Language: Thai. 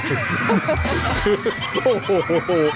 โอ้โห